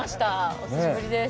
お久しぶりです。